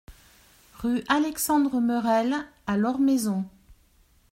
Rue Alexandre Merelle à Lormaison